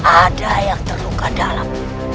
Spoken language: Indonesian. ada yang terluka dalam